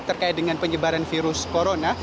terkait dengan penyebaran virus corona